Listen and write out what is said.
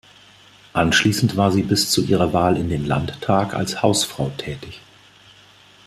Anschließend war sie bis zu ihrer Wahl in den Landtag als Hausfrau tätig.